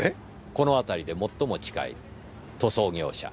この辺りで最も近い塗装業者。